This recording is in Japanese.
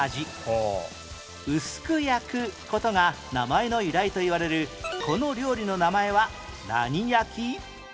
「薄く焼く事」が名前の由来といわれるこの料理の名前は何焼き？